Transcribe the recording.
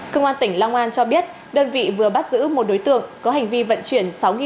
cơ quan tỉnh long an cho biết đơn vị vừa bắt giữ một đối tượng có hành vi vận chuyển sáu